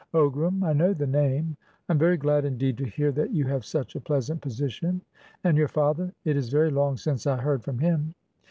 "Ogram? I know the name. I am very glad indeed to hear that you have such a pleasant position. And your father? It is very long since I heard from him."